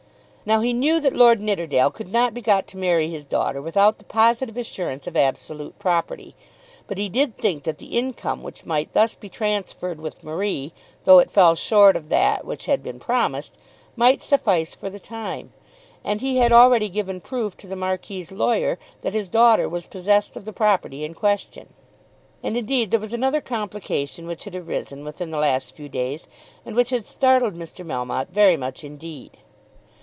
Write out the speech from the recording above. Now he knew that Lord Nidderdale could not be got to marry his daughter without the positive assurance of absolute property, but he did think that the income which might thus be transferred with Marie, though it fell short of that which had been promised, might suffice for the time; and he had already given proof to the Marquis's lawyer that his daughter was possessed of the property in question. And indeed, there was another complication which had arisen within the last few days and which had startled Mr. Melmotte very much indeed.